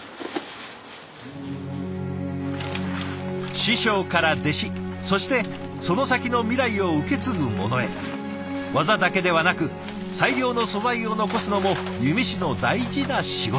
師匠から弟子そしてその先の未来を受け継ぐ者へ技だけではなく最良の素材を残すのも弓師の大事な仕事。